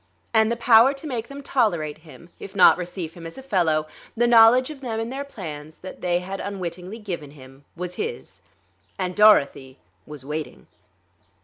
And the power to make them tolerate him, if not receive him as a fellow, the knowledge of them and their plans that they had unwittingly given him, was his. And Dorothy, was waiting....